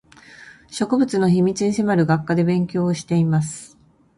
植物の秘密に迫る学科で勉強をしています